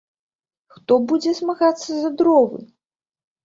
Хто будзе змагацца за дровы?